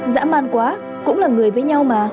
dã man quá cũng là người với nhau mà